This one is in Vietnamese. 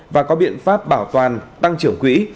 và có biện pháp bảo toàn tăng trưởng quỹ